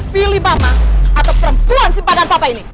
pilih mama atau perempuan simpanan papa ini